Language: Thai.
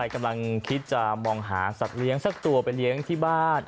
กำลังคิดจะมองหาสัตว์เลี้ยงสักตัวไปเลี้ยงที่บ้าน